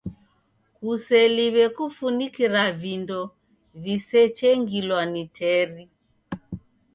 Kuseliw'e kufinikira vindo visechengilwa ni teri.